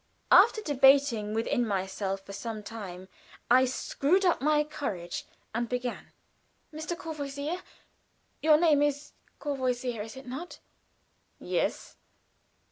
After debating within myself for some time, I screwed up my courage and began: "Mr. Courvoisier your name is Courvoisier, is it not?" "Yes."